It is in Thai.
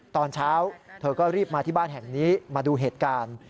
ตอนเช้าเธอก็รีบมาที่บ้านแห่งนี้มาดูเหตุการณ์